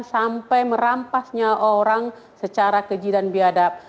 sampai merampasnya orang secara keji dan biadab